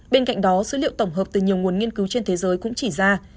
bên cạnh đó số liệu tổng hợp từ nhiều nguồn nghiên cứu trên thế giới cũng chỉ ra